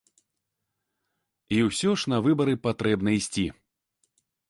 І ўсё ж на выбары патрэбна ісці.